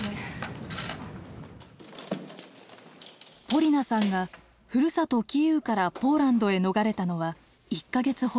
ポリナさんがふるさとキーウからポーランドへ逃れたのは１か月ほど前。